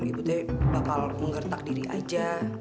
ibu teh bakal menggertak diri aja